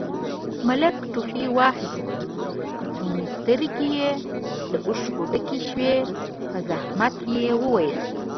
ملک ټوخي واخيست، کڅوړنې سترګې يې له اوښکو ډکې شوې، په زحمت يې وويل: